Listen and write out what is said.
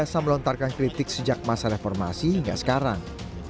biasa melontarkan kritik sejak masa reformasi hingga sekarang